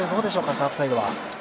カープサイドは。